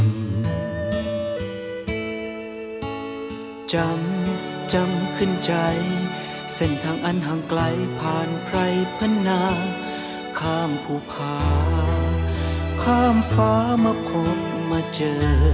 จำจำขึ้นใจเส้นทางอันห่างไกลผ่านไพรพนาข้ามภูพาข้ามฟ้ามาพบมาเจอ